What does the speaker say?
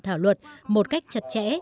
để thảo luật một cách chặt chẽ